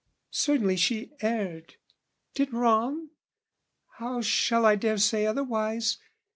Certainly she erred Did wrong, how shall I dare say otherwise?